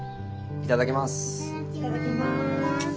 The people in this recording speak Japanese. いただきます。